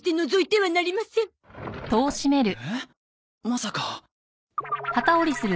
まさか。